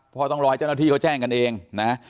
เพราะต้องรอให้เจ้าหน้าที่เขาแจ้งกันเองนะ